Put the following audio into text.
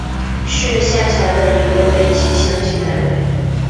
是下辖的一个类似乡级单位。